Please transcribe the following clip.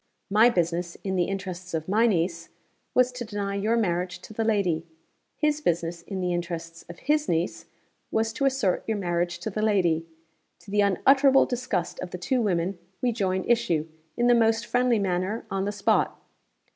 My business, in the interests of my niece, was to deny your marriage to the lady. His business, in the interests of his niece, was to assert your marriage to the lady. To the unutterable disgust of the two women, we joined issue, in the most friendly manner, on the spot.